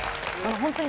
ホンマに。